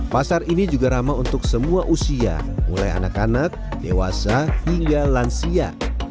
pasar ini juga ramah untuk semua usia mulai anak anak dewasa hingga lansia